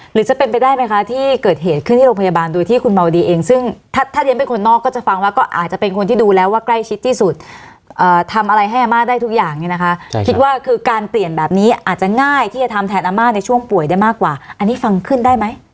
หรือจะเป็นไปได้ไหมคะที่เกิดเหตุขึ้นที่โรงพยาบาลดูที่คุณเมาดีเองซึ่งถ้าเรียนเป็นคนนอกก็จะฟังว่าก็อาจจะเป็นคนที่ดูแล้วว่าใกล้ชิดที่สุด